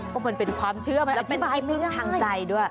ก็มันเป็นความเชื่อมันอธิบายเพิ่งทางใจด้วย